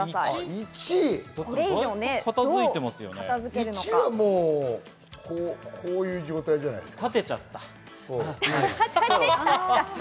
一は、こういう状態じゃないですか？